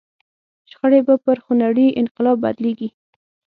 شخړې به پر خونړي انقلاب بدلېږي.